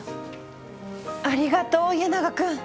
ありがとう家長君。